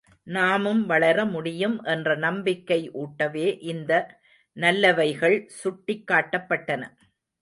நாமும் வளர முடியும் என்ற நம்பிக்கை ஊட்டவே இந்த நல்லவைகள் சுட்டிக் காட்டப்பட்டன.